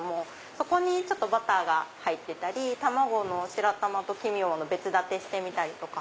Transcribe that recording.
そこにバターが入ってたり卵の白身と黄身を別立てしてみたりとか。